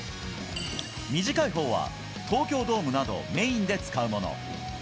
短い方は東京ドームなど、メインで使うもの。